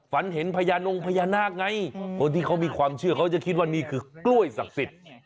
ฝันเห็นพญานงพญานาคไงคนที่เขามีความเชื่อเขาจะคิดว่านี่คือกล้วยศักดิ์สิทธิ์